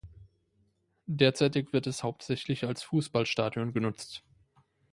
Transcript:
Derzeitig wird es hauptsächlich als Fußballstadion genutzt.